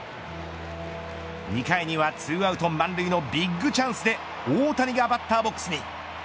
２回には２アウト満塁のビッグチャンスで大谷がバッターボックスに。